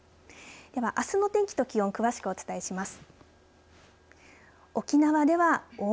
では、あすの天気と気温詳しくお伝えします。